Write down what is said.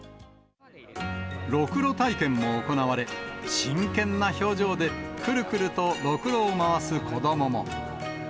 ろくろ体験も行われ、真剣な表情でくるくるとろくろを回す子どもも。